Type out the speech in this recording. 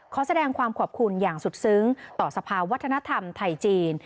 ขอแสดงความขอบคุณอย่างสุดซึ้งต่อสภาวัฒนธรรมไทยจีน